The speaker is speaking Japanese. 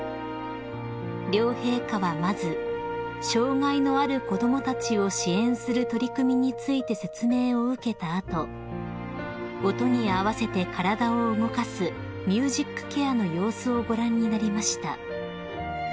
［両陛下はまず障害のある子供たちを支援する取り組みについて説明を受けた後音に合わせて体を動かすミュージックケアの様子をご覧になりました］